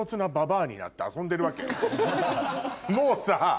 もうさ。